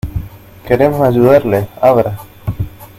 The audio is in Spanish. ¡ queremos ayudarle! ¡ abra !